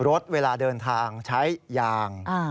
รถเวลาเดินทางใช้ยาง